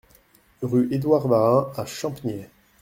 Rue Edward Warin à Champniers